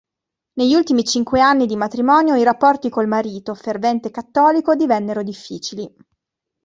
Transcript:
Negli ultimi cinque anni di matrimonio i rapporti col marito, fervente cattolico, divennero difficili.